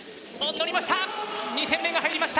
乗りました！